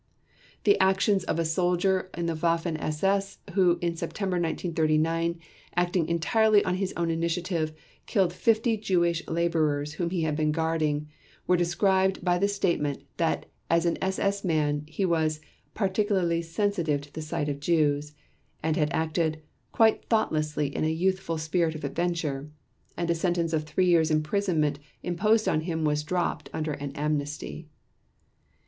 The actions of a soldier in the Waffen SS who in September 1939, acting entirely on his own initiative, killed 50 Jewish laborers whom he had been guarding, were described by the statement that as an SS man, he was "particularly sensitive to the sight of Jews," and had acted "quite thoughtlessly in a youthful spirit of adventure" and a sentence of three years imprisonment imposed on him was dropped under an amnesty.